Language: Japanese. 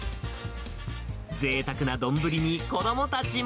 ぜいたくな丼に子どもたちも。